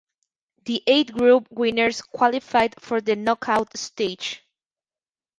The eight group winners qualified for the knockout stage.